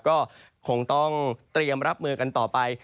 ก็คงต้องเตรียมรับมือกันต่อไป